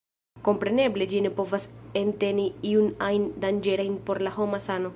Kompreneble ĝi ne povas enteni iun ajn danĝerajn por la homa sano.